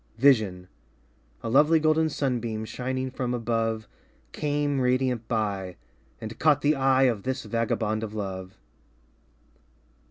Vision A lovely golden sunbeam Shining from above Came radiant by And caught the eye Of this vagabond of love.